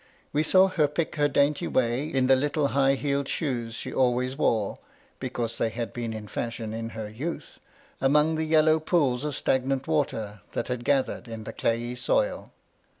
We saw her pick her dainty way, in the little high heeled shoes she always wore (because they had been in £Bishion in her youth), among the yellow pools of stagnant water that had gathered in the clayey soil.